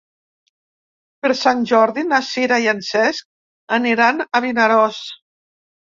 Per Sant Jordi na Sira i en Cesc aniran a Vinaròs.